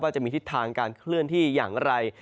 จะมีทิศทางการเคลื่อนที่อย่างไร